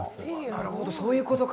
なるほど、そういうことか。